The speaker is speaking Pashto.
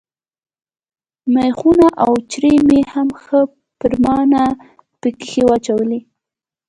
مېخونه او چرې مې هم ښه پرېمانه پکښې واچول.